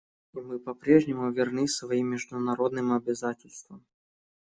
И мы по-прежнему верны своим международным обязательствам.